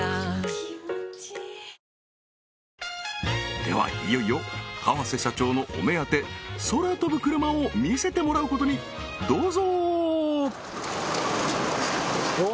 ではいよいよ河瀬社長のお目当て空飛ぶクルマを見せてもらうことにどうぞ！